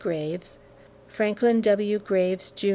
Graves, Franklin W. Graves, Jr.